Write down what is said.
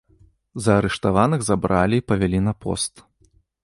Заарыштаваных забралі і павялі на пост.